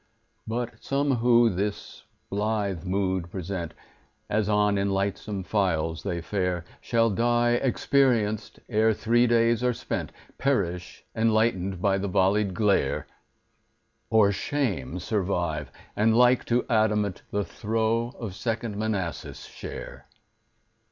But some who this blithe mood present, As on in lightsome files they fare, Shall die experienced ere three days are spent— Perish, enlightened by the vollied glare; Or shame survive, and, like to adamant, The throe of Second Manassas share.